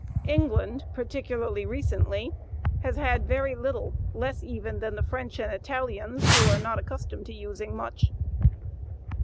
England, particularly recently, has had very little, less even than the French and Italians, who are not accustomed to using much.